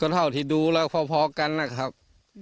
เท่าที่ดูแล้วพอกันนะครับ